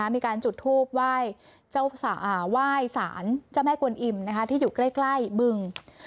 มีการจุดทูบไหว้สารเจ้าแม่กวนอิ่มที่อยู่ใกล้บึง